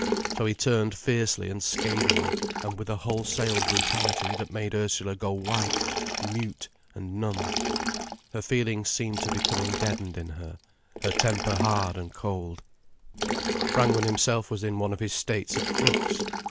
So he turned fiercely and scathingly, and with a wholesale brutality that made Ursula go white, mute, and numb. Her feelings seemed to be becoming deadened in her, her temper hard and cold. Brangwen himself was in one of his states or flux.